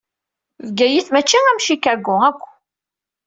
Bgayet mačči am Chikago akk.